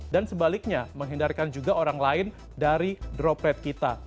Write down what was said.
dan sebaliknya menghindarkan juga orang lain dari droplet kita